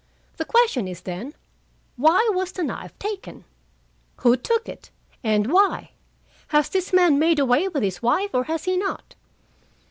The question is, then: Why was the knife taken? Who took it? And why? Has this man made away with his wife, or has he not?"